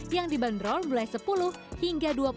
yang dibanderol mulai rp sepuluh hingga rp dua puluh lima